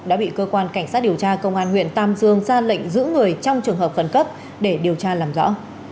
đã bị cơ quan cảnh sát điều tra công an huyện tam dương ra lệnh giữ người trong trường hợp khẩn cấp để điều tra làm rõ